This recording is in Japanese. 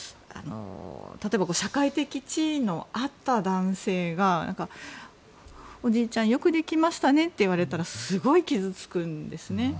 社会的地位のあった男性がおじいちゃんよくできましたねって言われたらすごい傷つくんですね。